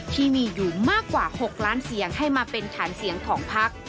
ที่มีอยู่มากกว่า๖ล้านเสียงให้มาเป็นฐานเสียงของพัก